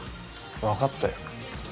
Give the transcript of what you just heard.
わかったよ。